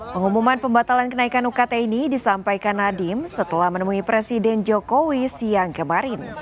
pengumuman pembatalan kenaikan ukt ini disampaikan nadiem setelah menemui presiden jokowi siang kemarin